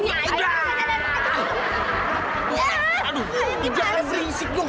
aduh jangan berisik dong